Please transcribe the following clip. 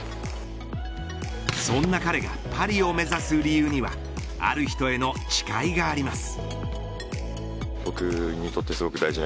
そんな彼がパリを目指す理由にはある人への誓いがあります。